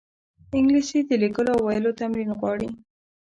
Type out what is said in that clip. انګلیسي د لیکلو او ویلو تمرین غواړي